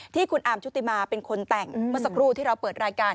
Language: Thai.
ที่คุณอาร์มชุติมาเป็นคนแต่งเมื่อสักครู่ที่เราเปิดรายการ